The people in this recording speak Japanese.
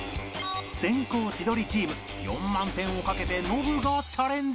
先攻千鳥チーム４万点を賭けてノブがチャレンジ